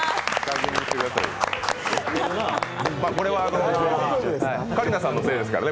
これは香里奈さんのせいですからね。